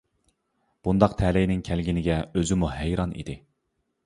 بۇنداق تەلەينىڭ كەلگىنىگە ئۆزىمۇ ھەيران ئىدى.